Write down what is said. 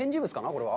これは。